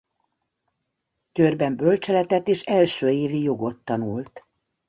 Győrben bölcseletet és első évi jogot tanult.